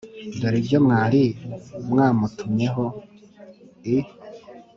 dore ibyo mwari mwamutumyeho: i